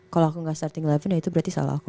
kalau aku gak searting liven ya itu berarti salah aku